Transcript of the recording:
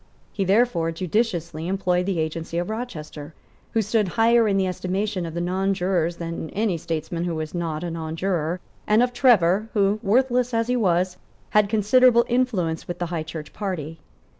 He therefore judiciously employed the agency of Rochester, who stood higher in the estimation of the nonjurors than any statesman who was not a nonjuror, and of Trevor, who, worthless as he was, had considerable influence with the High Church party.